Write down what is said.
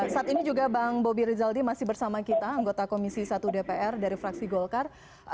saat ini juga bang bobi rizaldi masih bersama kita anggota komisi satu dpr dari fraksi golkar